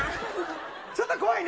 ちょっと怖いね。